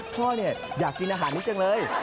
พ่อเนี่ยอยากกินอาหารนิดจังเลย